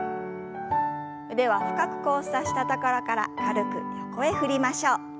腕は深く交差したところから軽く横へ振りましょう。